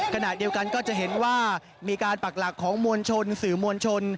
ขณะเดียวกันก็จะเห็นว่ามีการปักหลักของมวลชนสื่อมวลชน